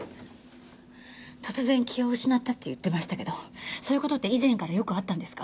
突然気を失ったって言ってましたけどそういう事って以前からよくあったんですか？